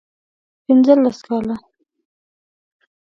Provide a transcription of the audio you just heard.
پنځه لس کاله